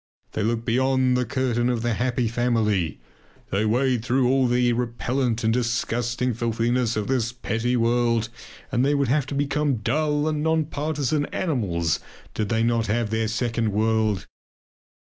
They look behind the curtain of the "happy family"; they wade through all the repellant and disgusting filthiness of this petty world, and they would have to become dull and non partisan animals did they not have their second world.